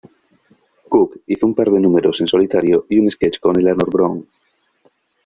Cook hizo un par de números en solitario y un "sketch" con Eleanor Bron.